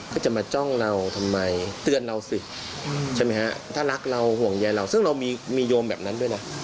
ก็จะมาจ้องเราทำไมเตือนเราสิใช่ไหมฮะถ้ารักเราห่วงใยเราซึ่งเรามีโยมแบบนั้นด้วยนะ